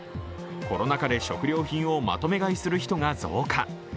コロナ禍で食料品をまとめ買いする人が増加。